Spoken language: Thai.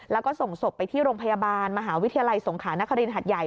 แล้วก็ส่งศพไปที่โรงพยาบาลมหาวิทยาลัยสงขานครินหัดใหญ่